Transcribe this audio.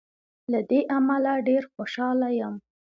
له دې امله ډېر خوشاله یم.